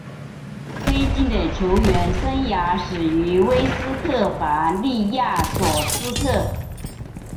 黑金的球员生涯始于威斯特伐利亚索斯特。